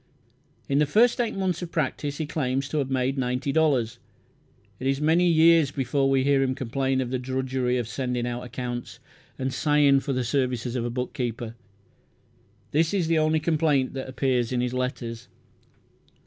In the first eight months of practice he claims to have made ninety dollars. It is many years before we hear him complain of the drudgery of sending out accounts, and sighing for the services of a bookkeeper. This is the only complaint that appears in his letters.